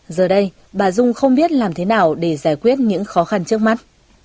giờ đây bà dung không biết làm thế nào để giải quyết những khó khăn trước mắt